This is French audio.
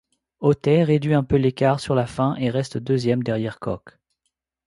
Ottey réduit un peu l'écart sur la fin et reste deuxième derrière Koch.